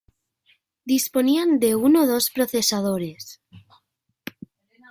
Disponían de uno o dos procesadores.